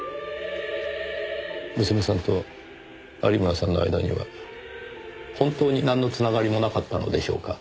娘さんと有村さんの間には本当になんの繋がりもなかったのでしょうか？